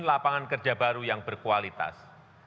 lapangan kerja baru yang berkualitas